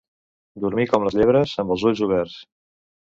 Dormir com les llebres, amb els ulls oberts.